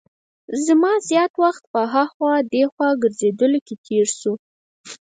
زما زیات وخت په هاخوا دیخوا ګرځېدلو کې تېر شو.